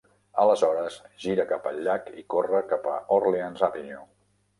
Aleshores, gira cap al llac i corre cap a Orleans Avenue.